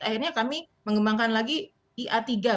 akhirnya kami mengembangkan lagi di a tiga